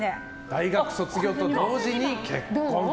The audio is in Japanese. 大学卒業と同時に結婚と。